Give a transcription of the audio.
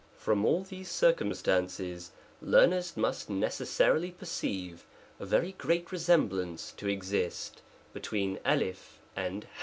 FROM all these circumstances, learners must necessarily perceive a very great resemblance to ex ist between Utt\ and ^A